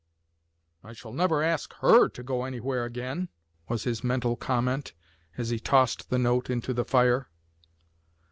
"I shall never ask her to go anywhere again!" was his mental comment, as he tossed the note into the fire.